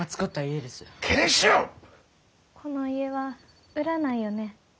この家は売らないよね？